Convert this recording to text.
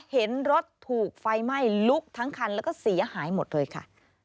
เห็นรถถูกไฟไหม้ลุกทั้งคันแล้วก็เสียหายหมดเลยค่ะ